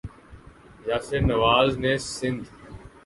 یاسر نواز نے سند